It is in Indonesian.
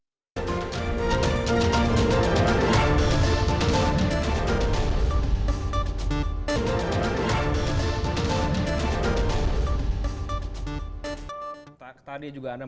dari kualitas ke dalam ke dalam